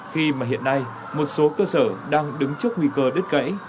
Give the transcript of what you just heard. khi mà hiện nay một số cơ sở đang đứng trước nguy cơ đứt gãy